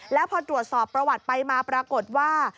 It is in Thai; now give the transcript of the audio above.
แล้วพอตรวจสอบประวัติไปมาปรากฏว่า